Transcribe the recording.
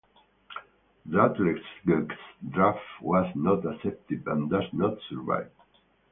Rutledge's draft was not accepted and does not survive.